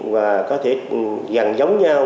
và có thể dần giống nhau